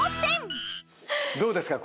どうですか？